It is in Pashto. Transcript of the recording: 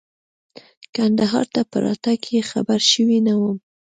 کندهار ته په راتګ یې خبر شوی نه وم.